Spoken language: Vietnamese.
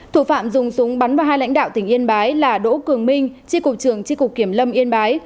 thủ phạm dùng súng bắn vào hai lãnh đạo tỉnh yên bái là đỗ cường minh tri cục trường tri cục kiểm lâm yên bái